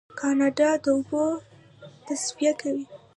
کاناډا د اوبو تصفیه کوي.